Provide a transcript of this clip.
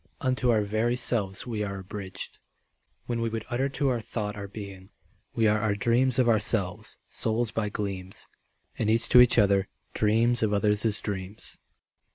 Unto our very selves we are abridged When we would utter to our thought our being. We are our dreams of ourselves, souls by gleams, And each to each other dreams of others' dreams.